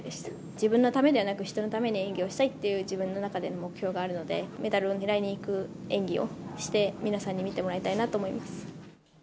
自分のためではなく、人のために演技をしたいという自分の中での目標があるので、メダルをねらいにいく演技をして皆さんに見てもらいたいなと思い